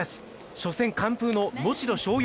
初戦完封の能代松陽